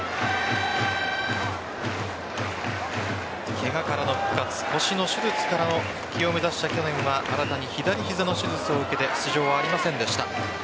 ケガからの復活腰の手術からの復帰を目指した去年は新たに左膝の手術を受けて出場はありませんでした。